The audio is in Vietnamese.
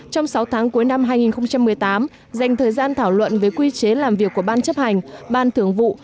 trong sáu tháng cuối năm hai nghìn một mươi tám dành thời gian thảo luận về quy chế làm việc của ban chấp hành ban thưởng vụ